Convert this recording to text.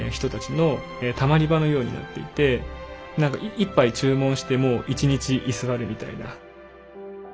１杯注文しても１日居座るみたいな。